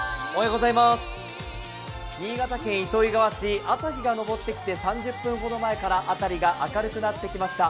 新潟県糸魚川市、朝日が昇ってきて３０分ほど前から辺りが明るくなってきました。